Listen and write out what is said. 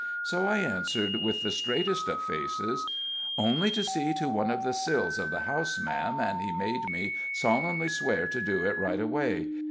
So I answered, with the straightest of faces: "Only to see to one of the sills of the house, ma'am, and he made me solemnly swear to do it right away.